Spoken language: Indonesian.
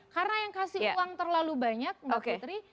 karena yang kasih uang terlalu banyak mbak putri